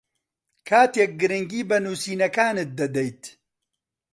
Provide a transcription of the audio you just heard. کاتێک گرنگی بە نووسینەکانت دەدەیت